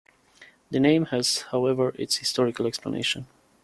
The name has, however, its historical explanation.